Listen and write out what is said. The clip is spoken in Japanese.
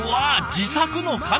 自作の鐘！